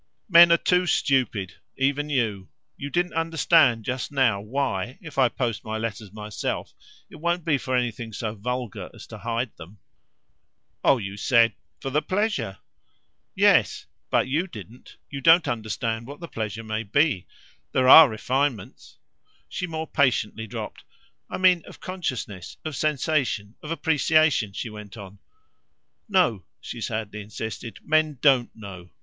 "Men are too stupid even you. You didn't understand just now why, if I post my letters myself, it won't be for anything so vulgar as to hide them." "Oh you named it for the pleasure." "Yes; but you didn't, you don't, understand what the pleasure may be. There are refinements !" she more patiently dropped. "I mean of consciousness, of sensation, of appreciation," she went on. "No," she sadly insisted "men DON'T know.